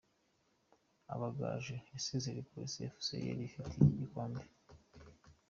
Amagaju yasezereye Police Fc yari ifite iki gikombe.